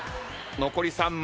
残り３枚。